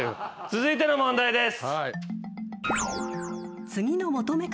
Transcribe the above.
続いての問題です。